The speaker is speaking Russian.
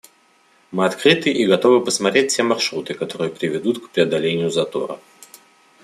Мы открыты и готовы посмотреть все маршруты, которые приведут к преодолению затора.